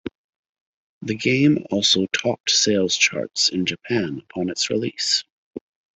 The game also topped sales charts in Japan upon its release.